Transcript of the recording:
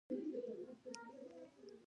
سره تنظیمولو ته یې ملا تړلې ده.